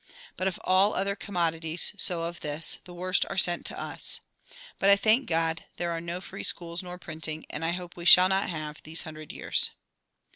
But of all other commodities, so of this, the worst are sent us. But I thank God there are no free schools nor printing, and I hope we shall not have, these hundred years."